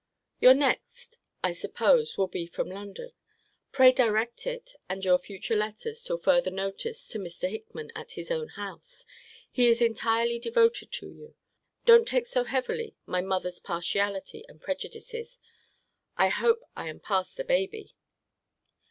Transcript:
] Your next, I suppose, will be from London. Pray direct it, and your future letters, till further notice, to Mr. Hickman, at his own house. He is entirely devoted to you. Don't take so heavily my mother's partiality and prejudices. I hope I am past a baby.